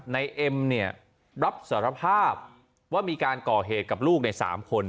เอ็มเนี่ยรับสารภาพว่ามีการก่อเหตุกับลูกใน๓คน